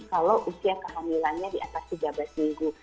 kalau usia kehamilannya di atas tiga belas minggu